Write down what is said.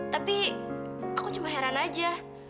tapi aku cuma heran aja